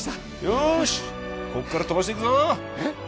よしここから飛ばしていくぞえっ？